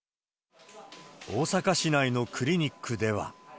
大阪市内のクリニックでは。